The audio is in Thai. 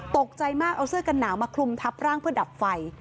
ตกใจมากเอาเสื้อกันหนาวมาคลุมทับร่างเพื่อดับไฟ